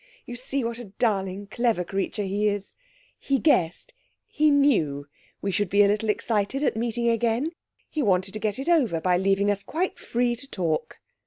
You see what a darling, clever creature he is. He guessed he knew we should be a little excited at meeting again. He wanted to get it over by leaving us quite free to talk.'